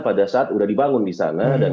pada saat sudah dibangun di sana dan